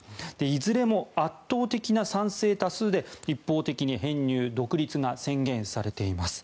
いずれも圧倒的な賛成多数で一方的に編入・独立が宣言されています。